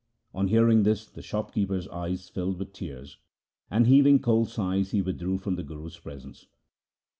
On hearing this the shop keeper's eyes filled with tears, and heaving cold sighs he withdrew from the Guru's presence.